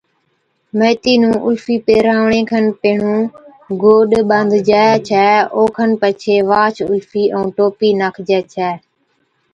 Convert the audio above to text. ميٿِي نُون الفِي پيھراوَڻي کن پيھڻُون گوڏ ٻانڌجَي ڇَي، ائُون اوکن پڇي واھچ الفِي ائُون ٽوپِي ناکجَي ڇَي